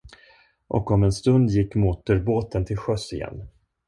Och om en stund gick motorbåten till sjöss igen.